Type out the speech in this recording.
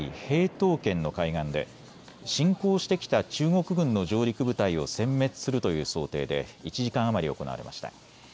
東県の海岸で侵攻してきた中国軍の上陸部隊をせん滅するという想定で１時間余り行われました。